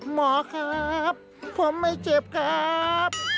หมอครับผมไม่เจ็บครับ